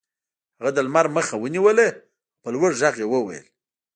هغه د لمر مخه ونیوله او په لوړ غږ یې وویل